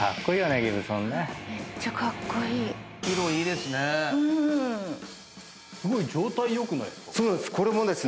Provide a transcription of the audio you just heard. すごい状態良くないですか？